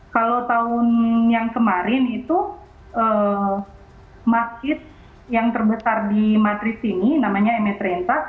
kalau tahun yang kemarin itu masjid yang terbesar di madrid ini namanya emetrenta